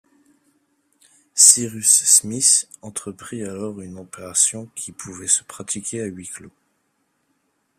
Cyrus Smith entreprit alors une opération qui pouvait se pratiquer à huis clos.